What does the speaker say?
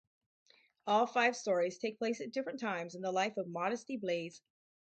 All five stories take place at different times in the life of Modesty Blaise.